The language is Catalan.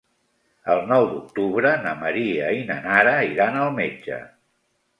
El nou d'octubre na Maria i na Nara iran al metge.